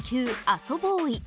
あそぼーい。